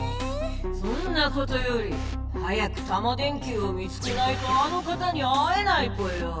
そんなことより早くタマ電Ｑを見つけないとあの方に会えないぽよ！